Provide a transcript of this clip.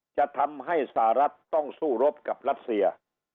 จะทำให้สหรัฐต้องสู้รบกับรัสเซีย